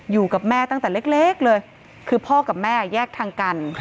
อยู่กับแม่ตั้งแต่เล็กเลยคือพ่อกับแม่แยกทางกัน